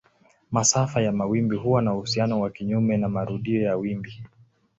Masafa ya mawimbi huwa na uhusiano wa kinyume na marudio ya wimbi.